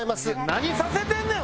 何させてんねん！